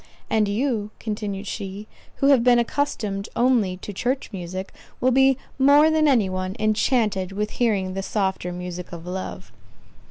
"And you," continued she, "who have been accustomed only to church music, will be more than any one, enchanted with hearing the softer music of love."